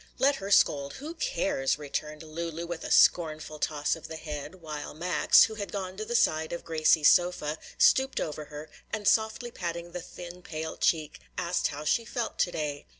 "Let her scold! who cares!" returned Lulu with a scornful toss of the head, while Max, who had gone to the side of Gracie's sofa, stooped over her, and softly patting the thin pale cheek, asked how she felt to day.